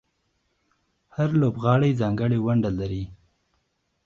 هر لوبغاړی ځانګړې ونډه لري.